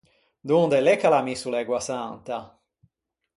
Donde l’é ch’a l’à misso l’ægua santa?